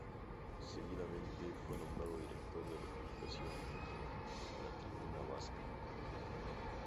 Seguidamente fue nombrado director de la publicación "La Tribuna Vasca".